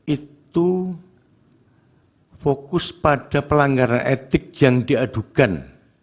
itu fokus pada pelanggaran etik yang diadukan